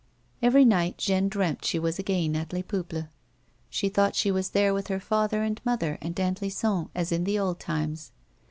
Every night Jeanne dreamt that she was again at Les Peuples. She thought she was there with her father and mother and Aunt Lison as in the old times.